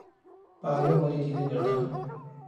پاگلوں والی چیزیں کرتا ہوں